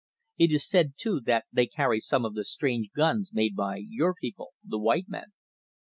It is said, too, that they carry some of the strange guns made by your people, the white men."